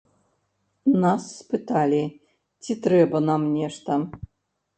Нас спыталі, ці трэба нам нешта.